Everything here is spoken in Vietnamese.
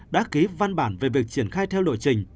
đã ký văn bản về việc triển khai theo lộ trình